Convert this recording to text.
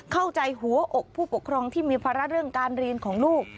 เข้าใจหัวอกผู้ปกครองที่มีภาระเรื่องการเรียนของลูก